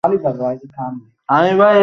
আমরা বাড়ির ফেরার মিশন চালিয়ে যেতে পারবো।